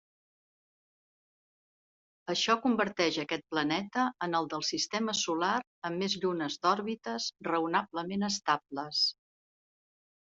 Això converteix aquest planeta en el del sistema solar amb més llunes d'òrbites raonablement estables.